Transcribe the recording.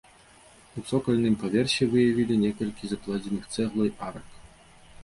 У цокальным паверсе выявілі некалькі закладзеных цэглай арак.